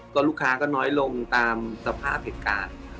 ก็ลูกค้าก็น้อยลงตามสภาพเหตุการณ์